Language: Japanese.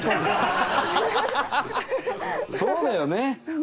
そうだよね。